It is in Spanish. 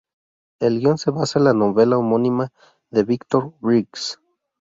El guion se basa en la novela homónima de Victor Bridges.